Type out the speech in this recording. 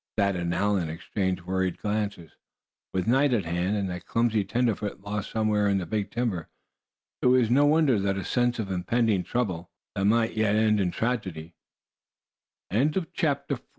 Thad and Allan exchanged worried glances. With night at hand and that clumsy tenderfoot lost somewhere in the big timber, it was no wonder that a sense of impending trouble, that might yet end in tragedy, oppressed them. CHAPTER V.